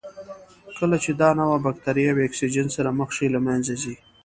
کله چې دا نوعه بکټریاوې اکسیجن سره مخ شي له منځه ځي.